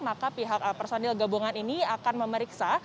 maka pihak personil gabungan ini akan memeriksa